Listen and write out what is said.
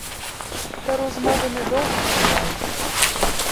Та розмови недовго тривають.